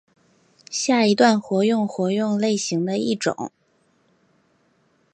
下一段活用活用类型的一种。